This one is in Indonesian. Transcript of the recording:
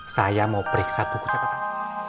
saya mau periksa kuku catatan